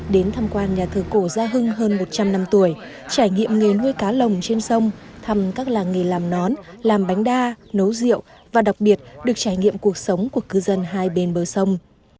đến thăm quan nhà thờ cổ gia hưng hơn một trăm linh năm tuổi trải nghiệm nghề nuôi cá lồng trên sông thăm các làng nghề làm nón làm bánh đa nấu rượu và đặc biệt được trải nghiệm cuộc sống của cư dân hai bên bờ sông